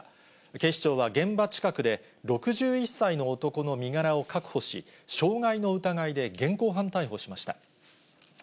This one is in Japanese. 警視庁は現場近くで６１歳の男の身柄を確保し、傷害の疑いで現行犯逮捕しました。